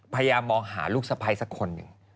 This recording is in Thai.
พยายามมองหาลูกสะพ้ายสักคนหนึ่ง